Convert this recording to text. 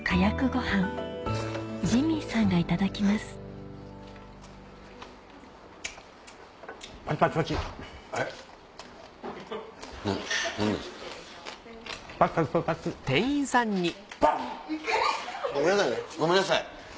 ごめんなさい。